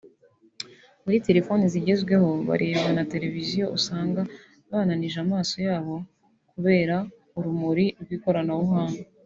muri telefoni zigezweho bareba na televiziyo usanga bananije amaso yabo kubera urumuri rw’ikoranabuhanga